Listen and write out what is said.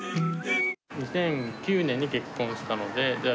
２００９年に結婚したので、えっ？